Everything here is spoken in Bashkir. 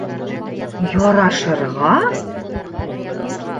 — Ярашырға?!